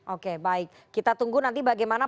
oke baik kita tunggu nanti bagaimana